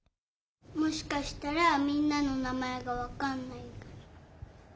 もしかしたらみんなのなまえがわかんないから。